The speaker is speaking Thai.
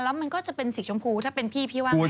แล้วมันก็จะเป็นสีชมพูถ้าเป็นพี่พี่ว่าไง